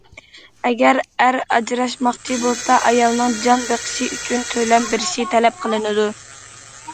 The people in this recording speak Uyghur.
ئەگەر ئەر ئاجراشماقچى بولسا، ئايالىنىڭ جان بېقىشى ئۈچۈن تۆلەم بېرىشى تەلەپ قىلىنىدۇ.